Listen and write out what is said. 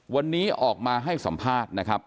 วันนี้ออกมาให้สัมภาษณ์นะครับ